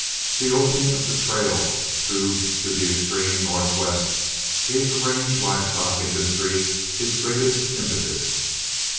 The opening of the trail through to the extreme Northwest gave the range live stock industry its greatest impetus.